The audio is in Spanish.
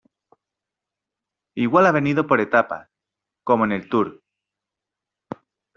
igual ha venido por etapas, como en el tour.